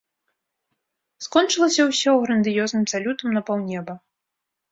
Скончылася ўсё грандыёзным салютам на паўнеба.